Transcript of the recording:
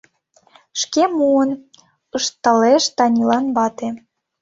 — Шке муын, — ышталеш Танилан вате.